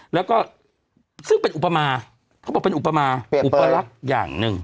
แล้วก็ซึ่งเป็นอุปมาเป็นอุปลักษณ์อย่างนึง